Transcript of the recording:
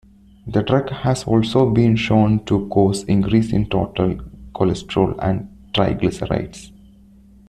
The drug has also been shown to cause increases in total cholesterol and triglycerides.